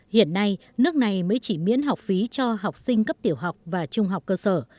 hiện nay nước này mới chỉ miễn học phí cho học sinh cấp tiểu học và trung học cơ sở